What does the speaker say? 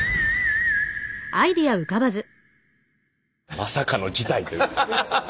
まさかの事態ということで。